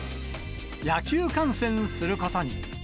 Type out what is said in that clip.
野球観戦することに。